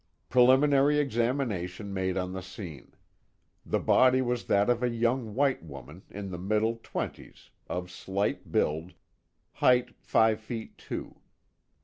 "_" preliminary examination made on the scene. The body was that of a young white woman in the middle twenties, of slight build, height five feet two.